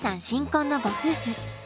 新婚のご夫婦。